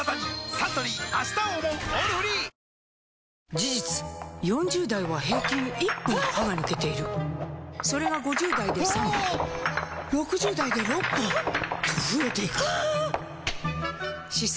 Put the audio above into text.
事実４０代は平均１本歯が抜けているそれが５０代で３本６０代で６本と増えていく歯槽